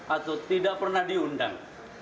atau tidak pernah diundang